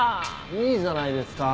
いいじゃないですか